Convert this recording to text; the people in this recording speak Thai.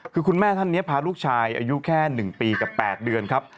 คือคุณแม่ท่านนี้พาลูกชายอายุแค่๑ปีกับ๘เดือนครับ